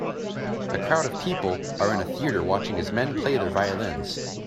A crowd of people are in a theater watching as men play their violins.